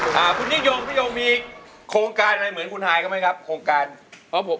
คุณนิยงมีโครงการอะไรเหมือนคุณไฮครับไหมครับ